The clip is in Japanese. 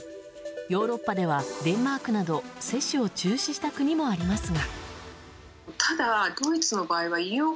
ヨーロッパではデンマークなど接種を中止した国もありますが。